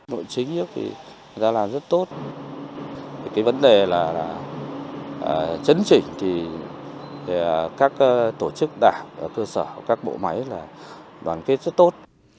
nội chính thì ra là rất tốt cái vấn đề là chấn chỉnh thì các tổ chức đảng ở cơ sở các bộ máy là đoàn kết rất tốt